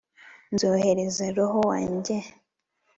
nzohereza roho wanjye